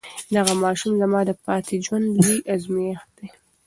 دغه ماشوم زما د پاتې ژوند لوی ازمېښت دی.